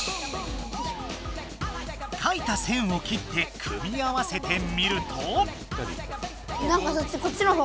かいた線を切って組み合わせてみると。